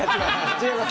違います